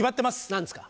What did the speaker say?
何ですか？